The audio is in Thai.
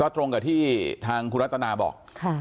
ตรงกับที่ทางคุณรัตนาบอก